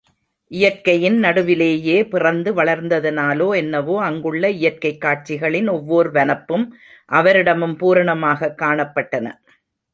இயற்கையின் நடுவிலேயே பிறந்து வளர்ந்ததனாலோ என்னவோ அங்குள்ள இயற்கைக் காட்சிகளின் ஒவ்வோர் வனப்பும் அவரிடமும் பூரணமாகக் காணப்பட்டன.